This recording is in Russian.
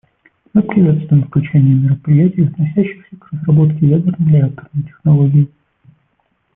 Мы приветствуем включение мероприятий, относящихся к разработке ядерной реакторной технологии.